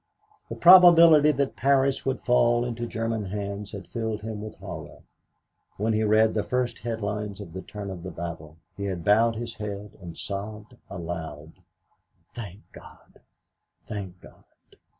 The probability that Paris would fall into German hands had filled him with horror. When he read the first headlines of the turn of the battle, he had bowed his head and sobbed aloud, "Thank God, thank God."